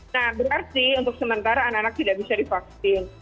nah berarti untuk sementara anak anak tidak bisa divaksin